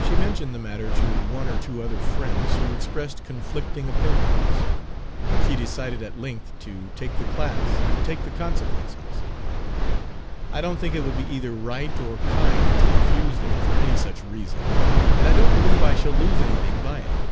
She mentioned the matter to one or two other friends, who expressed conflicting opinions. She decided at length to take the class, and take the consequences. "I don't think it would be either right or kind to refuse them for any such reason, and I don't believe I shall lose anything by it."